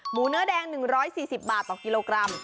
เนื้อแดง๑๔๐บาทต่อกิโลกรัม